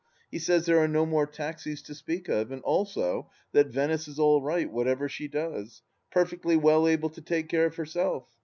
... He says there are no more taxis to speak of, and also that Venice is all right, whatever she does: perfectly well able to take care of herself.